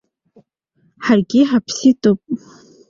Ҳаргьы ҳаԥсит ауп!